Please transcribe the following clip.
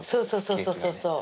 そうそうそうそう。